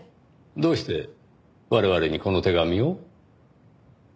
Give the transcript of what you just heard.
どうして我々にこの手紙を？